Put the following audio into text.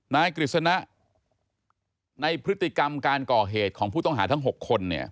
กฤษณะในพฤติกรรมการก่อเหตุของผู้ต้องหาทั้ง๖คน